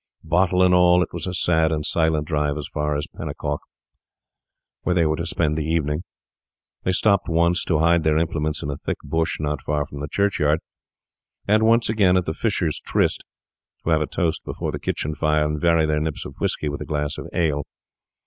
Bottle and all, it was a sad and silent drive as far as Penicuik, where they were to spend the evening. They stopped once, to hide their implements in a thick bush not far from the churchyard, and once again at the Fisher's Tryst, to have a toast before the kitchen fire and vary their nips of whisky with a glass of ale.